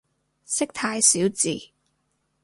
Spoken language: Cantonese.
識太少字